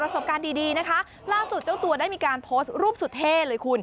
สุดท้าย